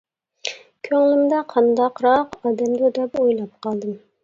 كۆڭلۈمدە قانداقراق ئادەمدۇ دەپ ئويلاپ قالدىم.